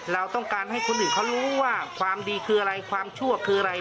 เราต้องการให้คนอื่นเขารู้ว่าความดีคืออะไรความชั่วคืออะไร